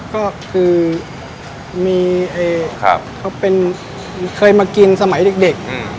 ก็คือมีไอ้เขาเป็นเคยมากินสมัยเด็ก